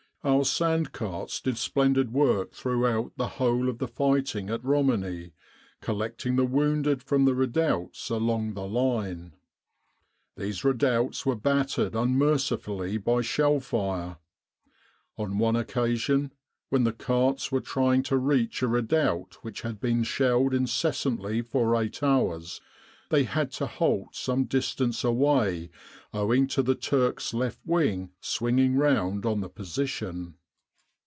"Our sand carts did splendid work throughout the whole of the fighting at Romani, collecting the wounded from the redoubts along the line. These redoubts were battered unmercifully by shell fire. On one occasion, when the carts were trying to reach a redoubt which had been shelled incessantly for eight hours, they had to halt some distance away owing to the Turks' left wing swinging round on the position.